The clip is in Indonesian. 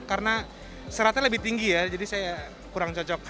karena seratnya lebih tinggi ya jadi saya kurang cocok